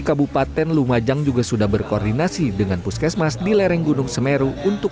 kabupaten lumajang juga sudah berkoordinasi dengan puskesmas di lereng gunung semeru untuk